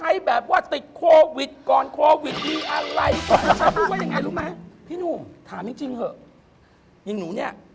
อย่างหนูเนี่ย